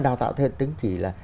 đào tạo thể tính chỉ là